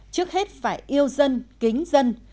trước hết phải yêu dân kính dân